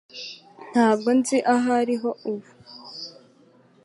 Ntabwo nzi aho ari ubu.